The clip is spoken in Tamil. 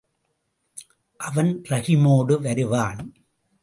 அவன் ரஹீமோடு வருவான்.